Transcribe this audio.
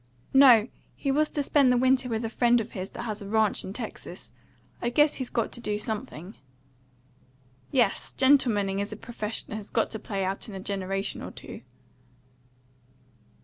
"No; he was to spend the winter with a friend of his that has a ranch in Texas. I guess he's got to do something." "Yes; gentlemaning as a profession has got to play out in a generation or two."